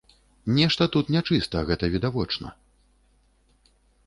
Нешта тут нячыста, гэта відавочна.